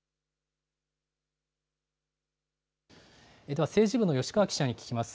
では政治部のよしかわ記者に聞きます。